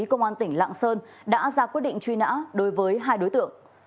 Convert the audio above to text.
công an tỉnh lạng sơn đã ra quyết định truy nã đối với hai đối tượng